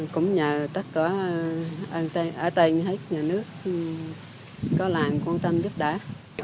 cũng nhờ tất cả ở tây như hết nhà nước có làn quan tâm giúp đỡ